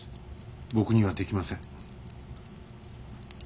僕にはできません。